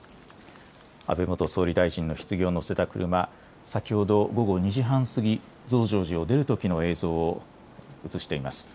安倍元総理大臣のひつぎを乗せた車、先ほど午後２時半過ぎ、増上寺を出るときの映像を映しています。